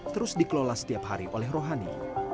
terus dikelola setiap hari oleh rohani